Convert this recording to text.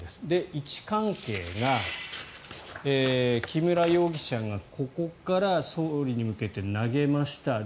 位置関係が木村容疑者がここから総理に向けて投げました。